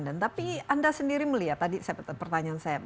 dan tapi anda sendiri melihat tadi pertanyaan saya